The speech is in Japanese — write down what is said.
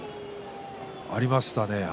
ありましたね。